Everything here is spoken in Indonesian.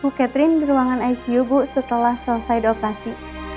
bu catherine di ruangan icu bu setelah selesai dioperasi